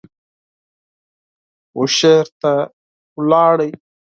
بوشهر ته ولاړ.